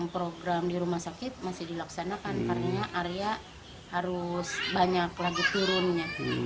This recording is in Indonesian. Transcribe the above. program di rumah sakit masih dilaksanakan karena area harus banyak lagi turunnya